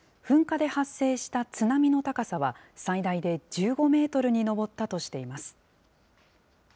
噴火で発生した津波の高さは、最大で１５メートルに上ったとしています。